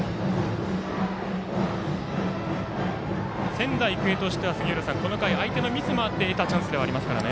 仙台育英としては、この回相手のミスもあって得たチャンスではありますからね。